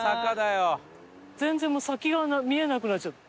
全然もう先が見えなくなっちゃった。